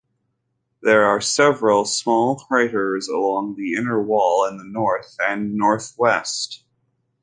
There are several small craters along the inner wall in the north and northwest.